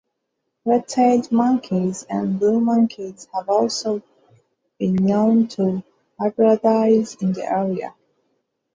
Red-tailed monkeys and blue monkeys have also been known to hybridize in the area.